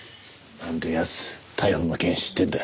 なんで奴逮捕の件知ってるんだ？